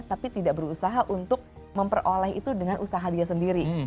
tapi tidak berusaha untuk memperoleh itu dengan usaha dia sendiri